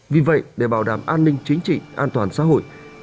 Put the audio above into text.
vì vậy để bảo đảm an ninh chính trị an toàn xã hội